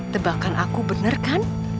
tebakan aku bener kan